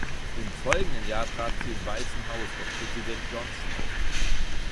Im folgenden Jahr trat sie im Weißen Haus vor Präsident Johnson auf.